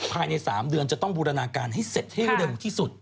ภายใน๓เดือนจะต้องบูรณาการให้เสร็จให้เร็วที่สุด